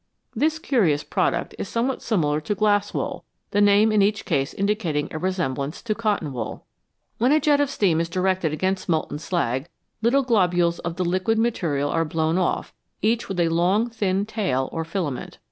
This curious product is somewhat similar to "glass wool," the name in each case indicating a resemblance to cotton wool. When a jet of steam is directed against molten slag, little globules of the liquid material are blown off, each with a long, thin tail or filament.